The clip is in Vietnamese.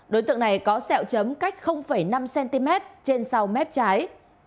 đối tượng này có sẹo chấm cách năm cm trên sau mép trái